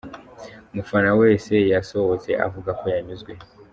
Umufana wese yasohotse avuga ko yanyuzwe!.